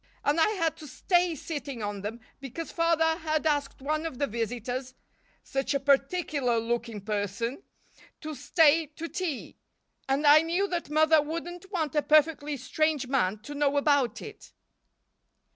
And I had to stay sitting on them because Father had asked one of the visitors such a particular looking person to stay to tea; and I knew that Mother wouldn't want a perfectly strange man to know about it."